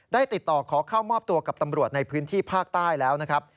ติดต่อขอเข้ามอบตัวกับตำรวจในพื้นที่ภาคใต้แล้วนะครับ